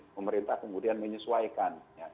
pemerintah kemudian menyesuaikan